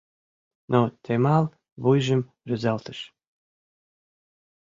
Но Темал вуйжым рӱзалтыш.